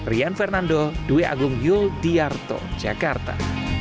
rian fernando dwi agung yul diarto jakarta